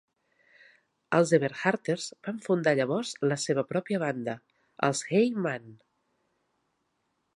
Els Eberharters van fundar llavors la seva pròpia banda, els Hey Mann!